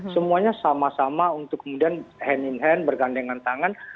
semuanya sama sama untuk kemudian hand in hand bergandengan tangan